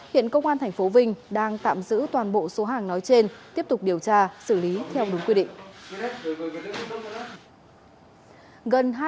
hiện công an tp vinh đang tạm giữ toàn bộ số hàng nói trên tiếp tục điều tra xử lý theo đúng quy định